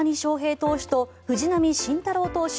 投手と藤浪晋太郎投手